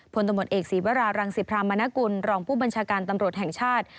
ผลตำรวจเอกศีวรารังสิพรามนกุลรองผู้บัญชาการตำรวจแห่งชาติ